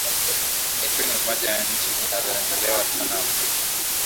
Misri ni moja ya nchi zinazotembelewa sana Afrika